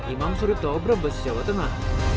imam surito brembes jawa tengah